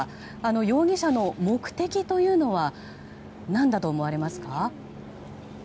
容疑者の目的というのは何だと思われますか。